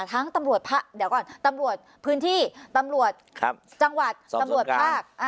ตำรวจเดี๋ยวก่อนตำรวจพื้นที่ตำรวจจังหวัดตำรวจภาค